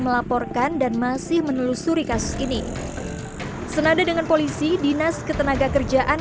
melaporkan dan masih menelusuri kasus ini senada dengan polisi dinas ketenaga kerjaan